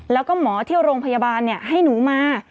แล้วก็หมอที่โรงพยาบาลให้หนูมา